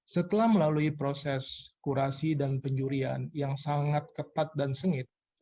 setelah melalui proses kurasi dan penjurian yang sangat ketat dan sengit